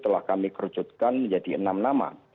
telah kami kerucutkan menjadi enam nama